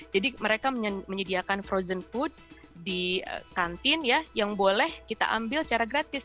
jadi mereka menyediakan makanan kering di kantin ya yang boleh kita ambil secara gratis